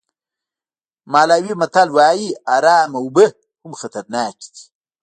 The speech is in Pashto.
مالاوي متل وایي ارامه اوبه هم خطرناک دي.